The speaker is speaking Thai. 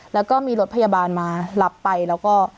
แล้วก็มีรถพยาบาลมารับไปแล้วก็